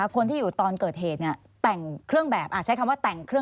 คนที่อยู่ตอนเกิดเหตุ